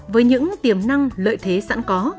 với những tiềm năng lợi thế sẵn có